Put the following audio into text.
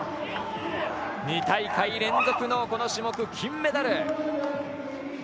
２大会連続のこの種目金メダル。